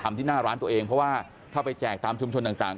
ที่หน้าร้านตัวเองเพราะว่าถ้าไปแจกตามชุมชนต่าง